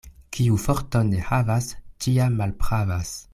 Kiu forton ne havas, ĉiam malpravas.